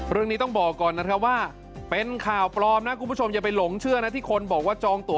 เรื่องนี้ต้องบอกก่อนนะครับว่าเป็นข่าวปลอมนะคุณผู้ชมอย่าไปหลงเชื่อนะที่คนบอกว่าจองตัว